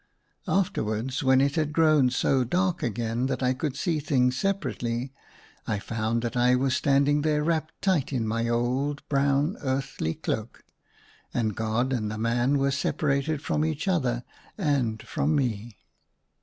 Afterwards, when it had grown so dark again that I could see things separately, I found that I was standing there wrapped tight in my little old, brown, earthly cloak, and God and the man were separated from each other, and from me.